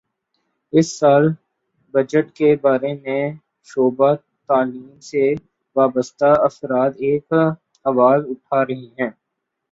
اس سال بجٹ کے بارے میں شعبہ تعلیم سے وابستہ افراد ایک آواز اٹھا رہے ہیں